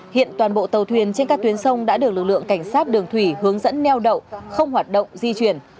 hiện toàn bộ tàu thuyền trên các tuyến sông đã được lực lượng cảnh sát đường thủy hướng dẫn neo đậu không hoạt động di chuyển